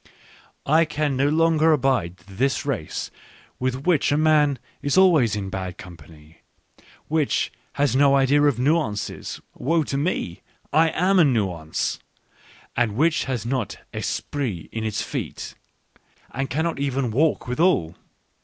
I can no longer abide this race with which a man is always in bad company, which has no idea of nuances — woe to me ! I am a nuance — and which has not esprit in its feet, and cannot even walk withal